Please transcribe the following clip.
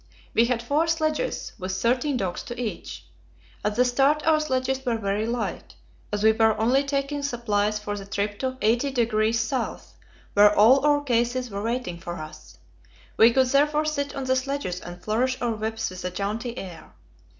We had four sledges, with thirteen dogs to each. At the start our sledges were very light, as we were only taking supplies for the trip to 80° S., where all our cases were waiting for us; we could therefore sit on the sledges and flourish our whips with a jaunty air.